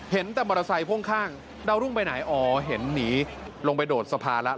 เห็นแต่มอเตอร์ไซค์พ่วงข้างดาวรุ่งไปไหนอ๋อเห็นหนีลงไปโดดสะพานแล้ว